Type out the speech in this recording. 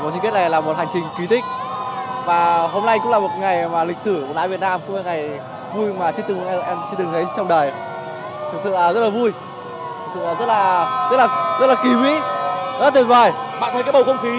các bạn u hai mươi ba việt nam tuyệt vời